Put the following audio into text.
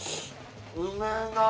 うめえな！